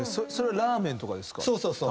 それはラーメンとかですか？